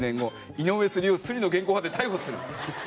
「井上スリ夫スリの現行犯で逮捕する！」